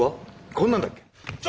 こんなんだっけ？